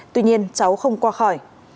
tuy nhiên cháu không qua khỏi